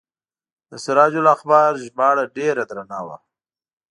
د سراج الاخبار ژباړه ډیره درنه وه.